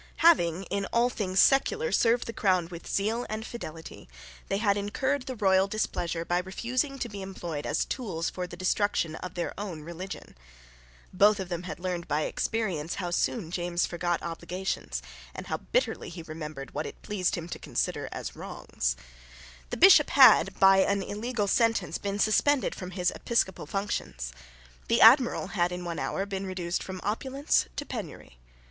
Having, in all things secular, served the crown with zeal and fidelity, they had incurred the royal displeasure by refusing to be employed as tools for the destruction of their own religion. Both of them had learned by experience how soon James forgot obligations, and how bitterly he remembered what it pleased him to consider as wrongs. The Bishop had by an illegal sentence been suspended from his episcopal functions. The Admiral had in one hour been reduced from opulence to penury.